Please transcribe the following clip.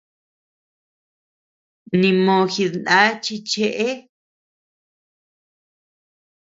Nimo jidna chi cheʼe.